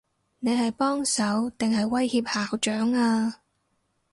你係幫手，定係威脅校長啊？